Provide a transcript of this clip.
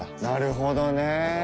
なるほどね。